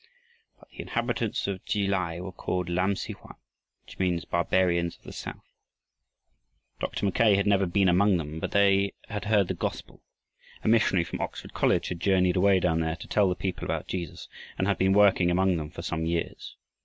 But the inhabitants of Ki lai were called Lam si hoan, which means "Barbarians of the south." Dr. Mackay had never been among them, but they had heard the gospel. A missionary from Oxford College had journeyed away down there to tell the people about Jesus and had been working among them for some years.